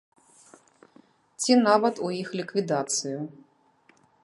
Ці нават у іх ліквідацыю.